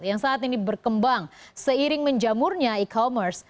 yang saat ini berkembang seiring menjamurnya e commerce